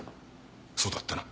そうだったな？